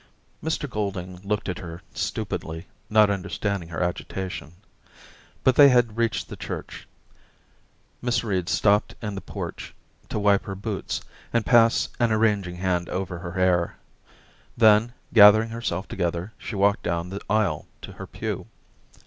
Mr Golding looked at her stupidly, not understanding her agitation. . But they had reached the church. Miss Reed stopped in the porch to wipe her boots and pass an arranging hand over her hair. Then, gather Daisy 221 ing herself together, she walked down the aisle to her pew.